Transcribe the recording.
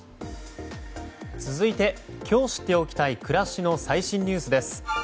続いて今日知っておきたい暮らしの最新ニュースです。